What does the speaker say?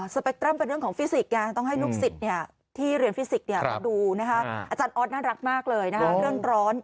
สเปคตรัมเป็นเรื่องของฟิซิกต้องให้ลูกศิษย์ที่เรียนฟิซิกดูอจรอธมน์น่ารักมากเลยนะเรื่องร้อน